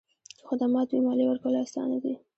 که خدمات وي، مالیه ورکول اسانه دي؟